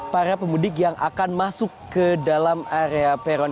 para pemudik yang akan masuk ke dalam area peron